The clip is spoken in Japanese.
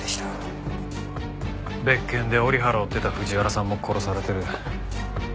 別件で折原を追ってた藤原さんも殺されてる。